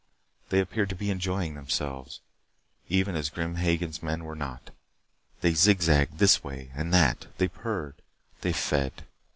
They appeared to be enjoying themselves, even as Grim Hagen's men were not. They zig zagged this way and that. They purred. They fed.